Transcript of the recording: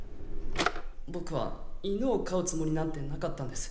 僕は犬を飼うつもりなんてなかったんです。